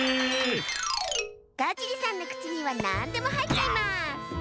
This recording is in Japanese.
ガジリさんのくちにはなんでもはいっちゃいます！